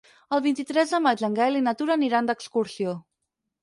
El vint-i-tres de maig en Gaël i na Tura aniran d'excursió.